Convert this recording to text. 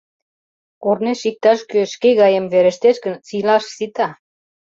Корнеш иктаж-кӧ шке гаем верештеш гын, сийлаш сита...»